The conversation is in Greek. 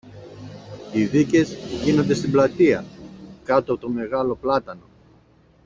Οι δίκες γίνονται στην πλατεία, κάτω από το μεγάλο πλάτανο.